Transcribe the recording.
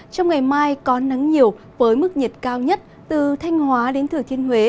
trong ngày mai có nắng nhiều với mức nhiệt cao nhất từ thanh hóa đến thừa thiên huế